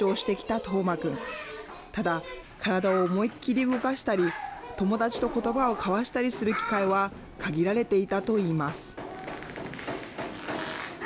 ただ、体を思いっきり動かしたり、友達とことばを交わしたりする機会は限られていたといいます。